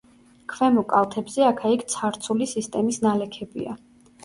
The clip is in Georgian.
ქვემო კალთებზე აქა-იქ ცარცული სისტემის ნალექებია.